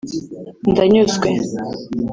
Ndanyuzwe